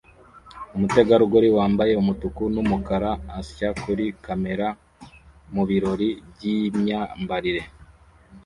Umutegarugori wambaye umutuku n'umukara asya kuri kamera mubirori by'imyambarire